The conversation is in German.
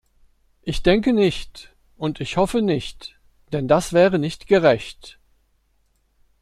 Ich denke nicht und ich hoffe nicht, denn das wäre nicht gerecht.